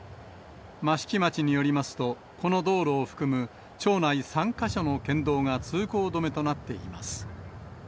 益城町によりますと、この道路を含む町内３か所の県道が通行止めとなっています。